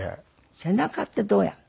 背中ってどうやるの？